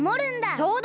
そうだ！